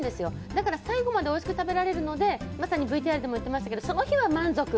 だから最後までおいしく食べられるので、ＶＴＲでも言ってますけどその日は満足。